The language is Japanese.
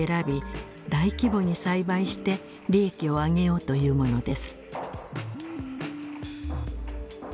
大規模に栽培して利益を上げようというものです。